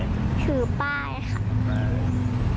คือป้ายค่ะ